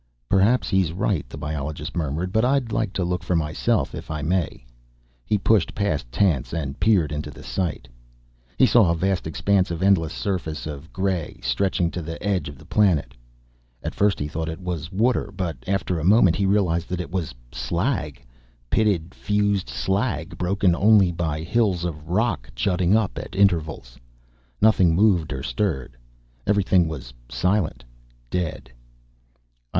"Perhaps he's right," the biologist murmured. "But I'd like to look for myself, if I may." He pushed past Tance and peered into the sight. He saw a vast expanse, an endless surface of gray, stretching to the edge of the planet. At first he thought it was water but after a moment he realized that it was slag, pitted, fused slag, broken only by hills of rock jutting up at intervals. Nothing moved or stirred. Everything was silent, dead.